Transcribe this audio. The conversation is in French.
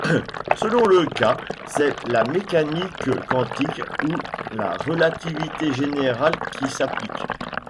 Selon le cas, c'est la mécanique quantique ou la relativité générale qui s'applique.